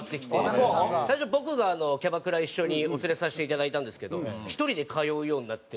最初僕がキャバクラ一緒にお連れさせていただいたんですけど１人で通うようになって。